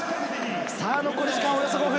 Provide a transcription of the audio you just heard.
残り時間およそ５分。